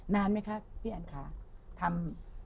นานไหมคะพี่อันค่ะทำ